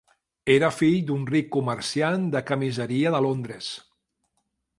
Era fill d'un ric comerciant de camiseria de Londres.